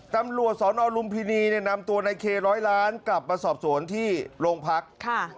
ตำรวจสอนอลุมพินีเนี่ยนำตัวในเคร้อยล้านกลับมาสอบสวนที่โรงพักค่ะ